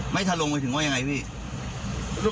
ไม่ทันลงไปถึงว่ายังไงพี่